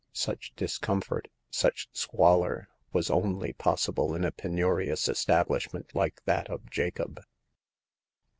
Such discomfort, such squalor, was only possible in a penurious establishment like that of Jacob.